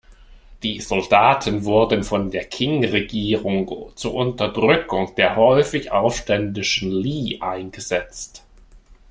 Die Soldaten wurden von der Qing-Regierung zur Unterdrückung der häufig aufständischen Li eingesetzt.